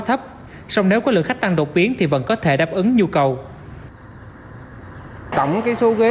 thấp xong nếu có lượng khách tăng độc biến thì vẫn có thể đáp ứng nhu cầu tổng cái số ghế